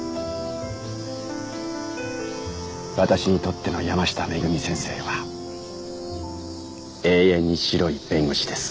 私にとっての山下めぐみ先生は永遠に白い弁護士です。